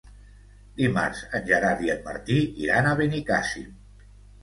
Dimarts en Gerard i en Martí iran a Benicàssim.